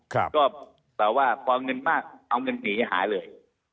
ก็แบบว่าพอเงินมากเอาเงินหนีหายเลย